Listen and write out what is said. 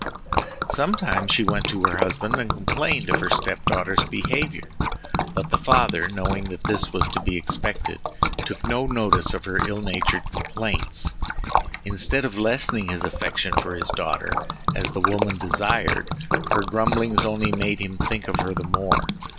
Sometimes she went to her husband and complained of her step daughter's behavior, but the father knowing that this was to be expected, took no notice of her ill natured complaints. Instead of lessening his affection for his daughter, as the woman desired, her grumblings only made him think of her the more.